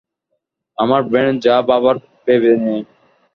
আমার ব্রেন যা ভাবার ভেবে নেয়!